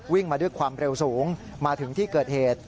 มาด้วยความเร็วสูงมาถึงที่เกิดเหตุ